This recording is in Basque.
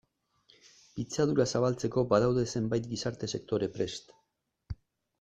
Pitzadura zabaltzeko badaude zenbait gizarte sektore prest.